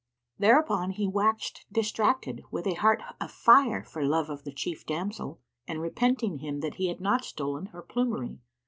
Thereupon he waxed distracted, with a heart afire for love of the chief damsel and repenting him that he had not stolen her plumery.